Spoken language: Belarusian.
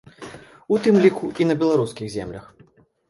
У тым ліку і на беларускіх землях.